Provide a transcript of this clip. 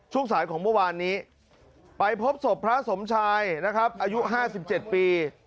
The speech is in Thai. ช่วงสายของเมื่อวานนี้ไปพบศพพระสมชายนะครับอายุ๕๗ปี